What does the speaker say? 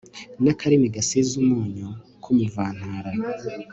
n'akarimi gasize umunyu k'umuvantara